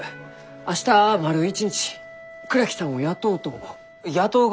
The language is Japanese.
明日丸一日倉木さんを雇おうと思う。